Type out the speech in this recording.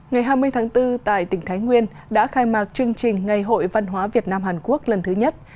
ngày hai mươi tháng bốn tại tỉnh thái nguyên đã khai mạc chương trình ngày hội văn hóa việt nam hàn quốc lần thứ nhất